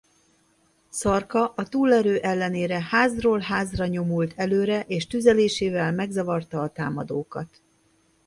Szarka a túlerő ellenére házról házra nyomult előre és tüzelésével megzavarta a támadókat.